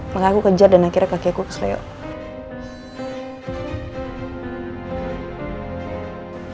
makanya aku kejar dan akhirnya kakekku ke slew